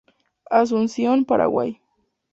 Asunción, Paraguay.